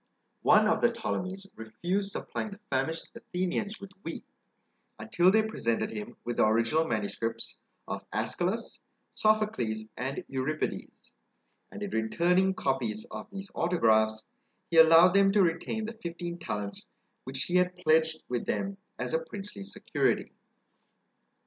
One of the Ptolemies refused supplying the famished Athenians with wheat, until they presented him with the original manuscripts of Æschylus, Sophocles, and Euripides; and in returning copies of these autographs, he allowed them to retain the fifteen talents which he had pledged with them as a princely security.